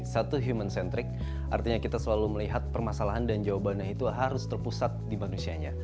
satu human centric artinya kita selalu melihat permasalahan dan jawabannya itu harus terpusat di manusianya